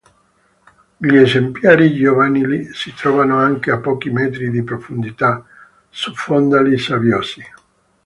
Gli esemplari giovanili si trovano anche a pochi metri di profondità, su fondali sabbiosi.